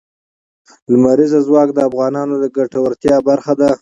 لمریز ځواک د افغانانو د ګټورتیا برخه ده.